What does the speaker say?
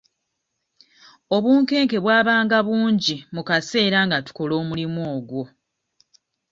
Obunkenke bwabanga bungi mu kaseera nga tukola omulimu ogwo.